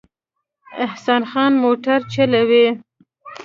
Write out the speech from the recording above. احسان خان موټر چلوي